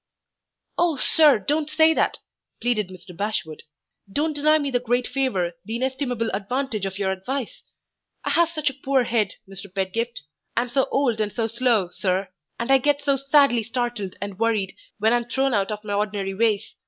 "Oh, sir, don't say that!" pleaded Mr. Bashwood. "Don't deny me the great favor, the inestimable advantage of your advice! I have such a poor head, Mr. Pedgift! I am so old and so slow, sir, and I get so sadly startled and worried when I'm thrown out of my ordinary ways.